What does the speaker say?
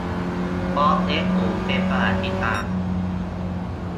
บล็อคเว็บสูงเป็นประวัติการณ์